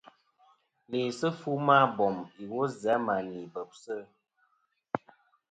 Læsɨ fu ma bom iwo zɨ a mà ni bebsɨ.